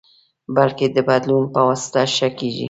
بلکې د بدلون پواسطه ښه کېږي.